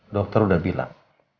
dokter udah bilang